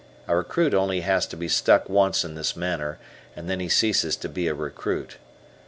A recruit only has to be stuck once in this manner, and then he ceases to be a recruit.